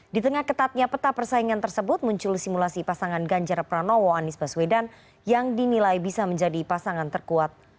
di tengah ketatnya peta persaingan tersebut muncul simulasi pasangan ganjar pranowo anies baswedan yang dinilai bisa menjadi pasangan terkuat